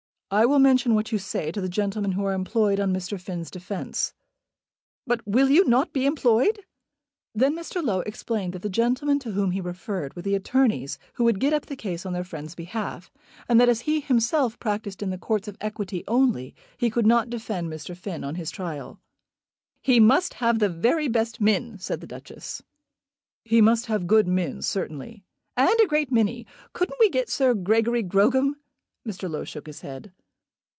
"I will mention what you say to the gentlemen who are employed on Mr. Finn's defence." "But will not you be employed?" Then Mr. Low explained that the gentlemen to whom he referred were the attorneys who would get up the case on their friend's behalf, and that as he himself practised in the Courts of Equity only, he could not defend Mr. Finn on his trial. "He must have the very best men," said the Duchess. "He must have good men, certainly." "And a great many. Couldn't we get Sir Gregory Grogram?" Mr. Low shook his head.